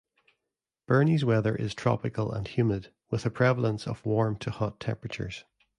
Beni's weather is tropical and humid, with a prevalence of warm to hot temperatures.